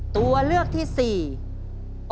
ตัวเลือกที่สี่นั่งพักผ่อน